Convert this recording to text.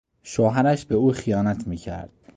شوهرش به او خیانت میکرد.